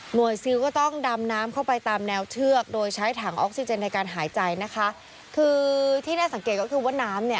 ซิลก็ต้องดำน้ำเข้าไปตามแนวเชือกโดยใช้ถังออกซิเจนในการหายใจนะคะคือที่น่าสังเกตก็คือว่าน้ำเนี่ย